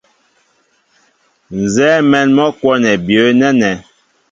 Nzɛ́ɛ́ mɛ̌n mɔ́ kwɔ́nɛ byə̌ nɛ́nɛ́.